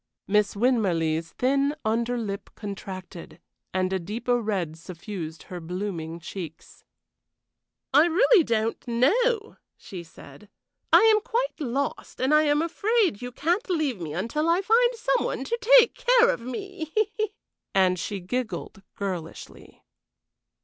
Miss Winmarleigh's thin under lip contracted, and a deeper red suffused her blooming cheeks. "I really don't know," she said. "I am quite lost, and I am afraid you can't leave me until I find some one to take care of me." And she giggled girlishly.